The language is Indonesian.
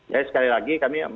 jadi sekali lagi kami